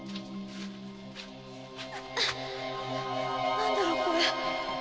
何だろうこれ？